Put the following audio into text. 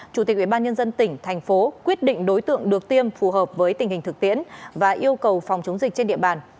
chủ tịch ubnd tỉnh thành phố quyết định đối tượng được tiêm phù hợp với tình hình thực tiễn và yêu cầu phòng chống dịch trên địa bàn